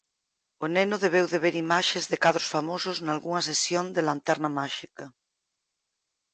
O neno debeu de ver imaxes de cadros famosos nalgunha sesión de lanterna máxica...